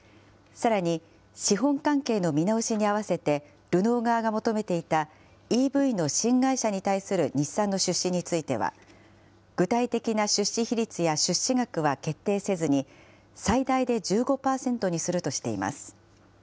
さらに資本関係の見直しに合わせてルノー側が求めていたＥＶの新会社に対する日産の出資については、具体的な出資比率や出資額は決定せずに、最大で１５％にするとしています。